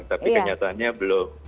tapi kenyataannya belum